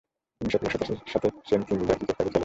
তিনি সফলতার সাথে সেন্ট কিল্ডা ক্রিকেট ক্লাবে খেলেন।